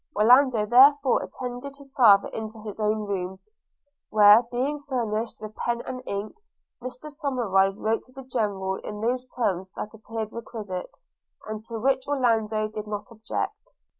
Orlando therefore attended his father into his own room; where being furnished with pen and ink, Mr Somerive wrote to the General in those terms that appeared requisite, and to which Orlando did not object.